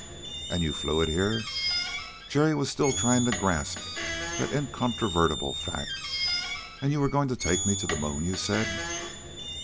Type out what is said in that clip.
"And you flew it here!" Jerry was still trying to grasp that incontrovertible fact. "And you were going to take me to the moon, you said."